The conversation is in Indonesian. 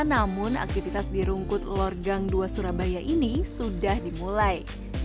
namun aktivitas di rungkut lor gang dua surabaya ini sudah dimulai